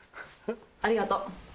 ありがとう。